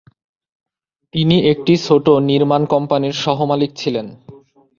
তিনি একটি ছোট নির্মাণ কোম্পানির সহ-মালিক ছিলেন।